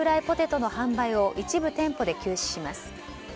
ポテトの販売を一部店舗で休止します。